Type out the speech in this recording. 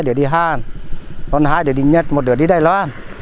hai đứa đi hàn còn hai đứa đi nhật một đứa đi đài loan